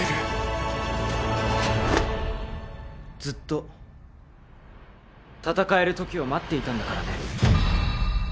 ずっと戦えるときを待っていたんだからね